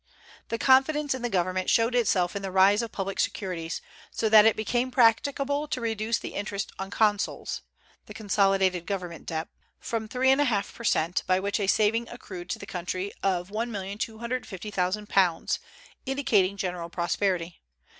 The confidence in the government showed itself in the rise of public securities, so that it became practicable to reduce the interest on consols (the consolidated government debt) from three and a half to three percent, by which a saving accrued to the country of £1,250,000, indicating general prosperity.